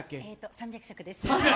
３００色です。